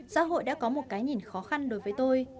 xã hội đã có một cái nhìn khó khăn đối với tôi